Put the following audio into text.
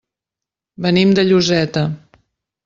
Venim de Lloseta.